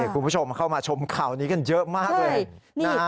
คุณผู้ชมเข้ามาชมข่าวนี้กันเยอะมากเลยนะฮะ